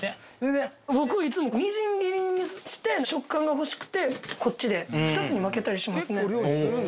僕はいつもみじん切りにして食感が欲しくてこっちで二つに分けたりしますね